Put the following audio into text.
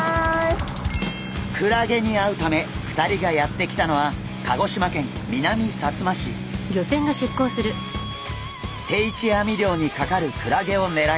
クラゲに会うため２人がやって来たのは定置網漁にかかるクラゲをねらいます。